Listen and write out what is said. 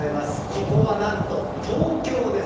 ここは何と東京です。